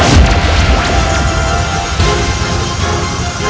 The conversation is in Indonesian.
tidak ada apa apa